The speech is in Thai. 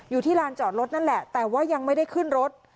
อยู่ที่ลานจอดรถนั่นแหละแต่ว่ายังไม่ได้ขึ้นรถ